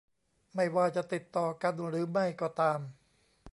ไม่ว่าจะติดต่อกันหรือไม่ก็ตาม